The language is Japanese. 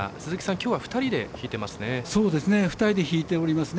きょうは２人で引いていますね。